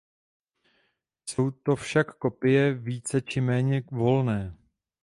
Jsou to však kopie více či méně volné.